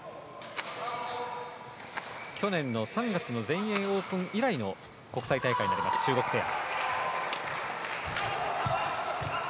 去年の３月の全英オープン以来の国際大会になる中国ペア。